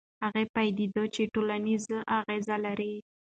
هغه پدیده چې ټولنیز وي اغېز لري.